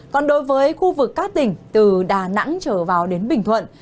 còn đối với khu vực các tỉnh từ đà nẵng trở vào đến bình thuận